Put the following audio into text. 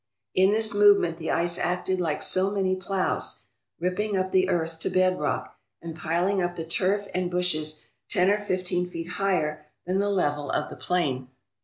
In this movement the ice acted like so many ploughs, ripping up the earth to bed rock, and piling up the turf and bushes ten or fifteen feet higher than the level of the plain.